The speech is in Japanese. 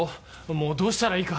もうどうしたらいいか。